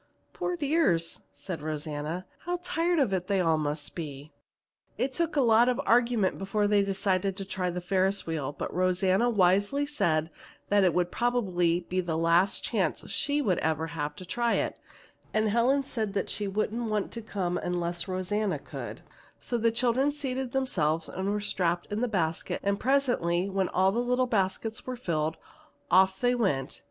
"Poor dears!" said Rosanna. "How tired of it all they must be!" It took a lot of argument before they decided to try the Ferris wheel, but Rosanna wisely said that it would probably be the last chance she would ever have to try it, and Helen said that she wouldn't want to come unless Rosanna could, so the children seated themselves and were strapped in the basket, and presently when all the little basket seats were full, off they went.